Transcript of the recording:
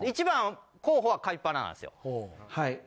１番候補はカピバラなんですよ。